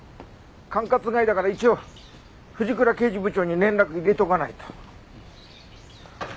管轄外だから一応藤倉刑事部長に連絡入れておかないと。